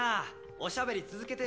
おしゃべり続けてよ